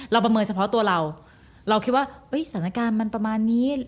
ประเมินเฉพาะตัวเราเราคิดว่าสถานการณ์มันประมาณนี้